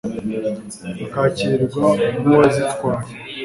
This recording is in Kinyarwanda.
akakirwa nk'uwazitwaye